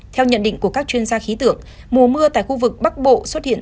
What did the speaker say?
theo nhận định của các chuyên gia khí tượng mùa mưa tại khu vực bắc bộ xuất hiện